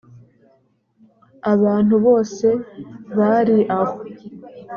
abantu bose bari aho